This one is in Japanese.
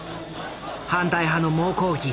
反対派の猛抗議。